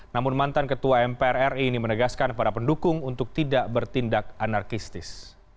namun mantan ketua mpr ri ini menegaskan para pendukung untuk tidak bertindak anarkistis